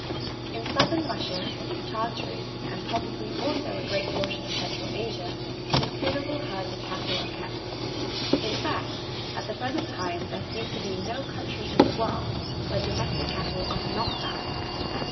In Southern Russia, Tartary and probably also a great portion of Central Asia considerable herds of cattle are kept." In fact, at the present time there seems to be no country in the world where domestic cattle are not found.